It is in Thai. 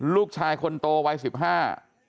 ลูกชายคนโตวัยสิบห้า